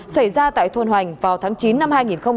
xảy ra tại thuần hoành vào tháng chín năm hai nghìn hai mươi